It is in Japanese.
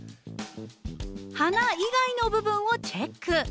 花以外の部分をチェック。